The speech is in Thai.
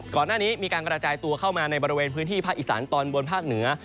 ก่อนหน้านี้มีการกระจายตัวเข้ามาในบริเวณพื้นที่ภาคอีสานตอนบนภาคเหนือ